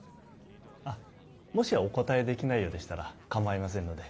もしお答えできないようでしたら構いませんので。